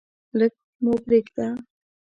لږ مو پریږده.